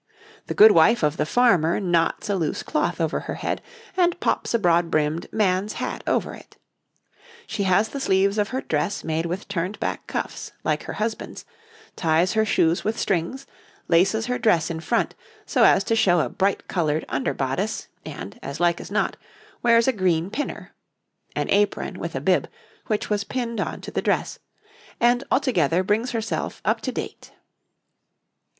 The good wife of the farmer knots a loose cloth over her head, and pops a broad brimmed man's hat over it. She has the sleeves of her dress made with turned back cuffs, like her husband's, ties her shoes with strings, laces her dress in front, so as to show a bright coloured under bodice, and, as like as not, wears a green pinner (an apron with bib, which was pinned on to the dress), and altogether brings herself up to date. [Illustration: {A woman of the time of James II.